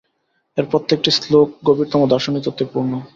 এর প্রত্যেকটি শ্লোক গভীরতম দার্শনিক তত্ত্বে পূর্ণ।